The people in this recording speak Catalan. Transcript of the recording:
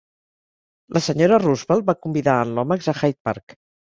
La Sra. Roosevelt va convidar en Lomax a Hyde Park.